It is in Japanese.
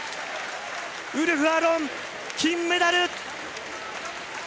ウルフ・アロン、金メダル！